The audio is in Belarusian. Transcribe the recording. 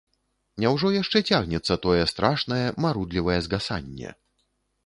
Няўжо яшчэ цягнецца тое страшнае марудлівае згасанне?